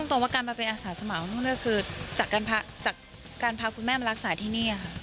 ตรงว่าการมาเป็นอาสาสมัครคือจากการพาคุณแม่มารักษาที่นี่ค่ะ